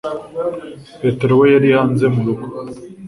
petero we yari hanze mu rugo